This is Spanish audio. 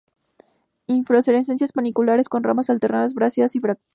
Inflorescencias paniculadas, con ramas alternas, brácteas y bracteolas.